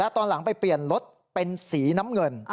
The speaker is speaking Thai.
ตอนหลังไปเปลี่ยนรถเป็นสีน้ำเงิน